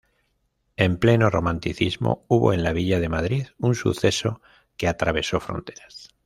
En pleno Romanticismo, hubo en la villa de Madrid un suceso que atravesó fronteras.